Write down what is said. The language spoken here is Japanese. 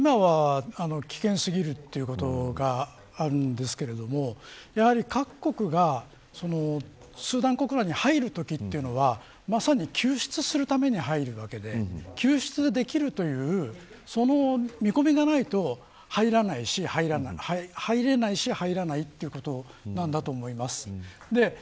とにかく今は危険すぎるということがあるのでやはり各国が、スーダン国内に入るときというのはまさに救出するために入るわけで救出できるというその見込みがないと入れないし、入らないということなんだと思います。